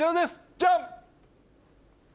ジャン！